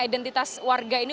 untuk menjaga keuntungan warga ini